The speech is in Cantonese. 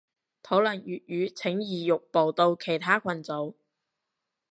討論粵語請移玉步到其他群組